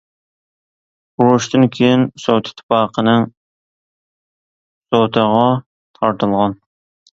ئۇرۇشتىن كېيىن سوۋېت ئىتتىپاقىنىڭ سوتىغا تارتىلغان.